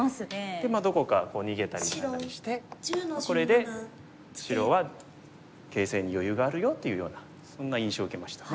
でどこか逃げたり何なりしてこれで白は形勢に余裕があるよというようなそんな印象を受けましたね。